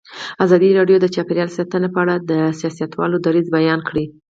ازادي راډیو د چاپیریال ساتنه په اړه د سیاستوالو دریځ بیان کړی.